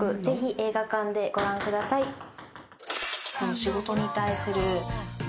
ぜひ映画館でご覧ください。